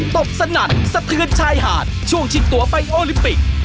ตบสนั่นสะเทือนชายหาดช่วงชิงตัวไปโอลิมปิก